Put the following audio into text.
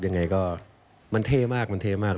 ยังไงก็มันเท่มาก